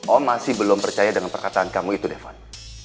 om masih belum percaya dengan perkataan kamu itu devon